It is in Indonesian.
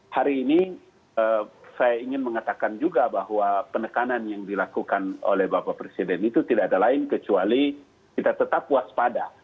hari ini saya ingin mengatakan juga bahwa penekanan yang dilakukan oleh bapak presiden itu tidak ada lain kecuali kita tetap waspada